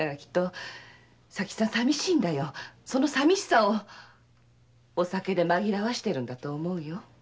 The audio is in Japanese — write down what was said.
その淋しさをお酒で紛らわしているんだと思うよ。